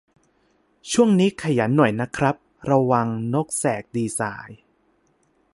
ช่วงนี้ขยันหน่อยนะครับ ระวัง นกแสกดีไซน์